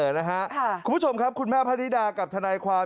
คุณผู้ชมครับคุณแม่พะนิดากับทนายความ